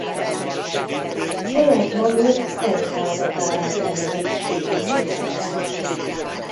Saját maguk animal metalnak nevezik stílusukat.